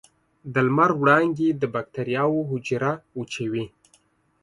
د لمر وړانګې د بکټریاوو حجره وچوي.